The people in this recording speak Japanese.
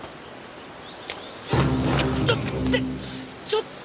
ちょっと！